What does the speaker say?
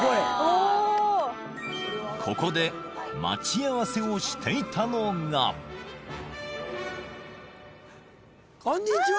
ここで待ち合わせをしていたのがこんにちは！